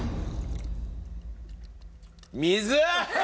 水！